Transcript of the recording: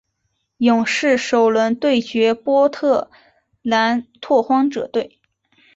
勇士首轮对决波特兰拓荒者队。